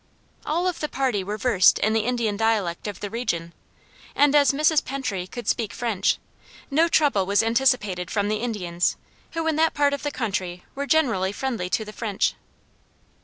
All of the party were versed in the Indian dialect of the region, and as Mrs. Pentry could speak French, no trouble was anticipated from the Indians, who in that part of the country were generally friendly to the French.